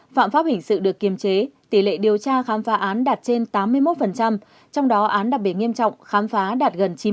phạm pháp hình sự được kiềm chế tỷ lệ điều tra khám phá án đạt trên tám mươi một trong đó án đặc biệt nghiêm trọng khám phá đạt gần chín mươi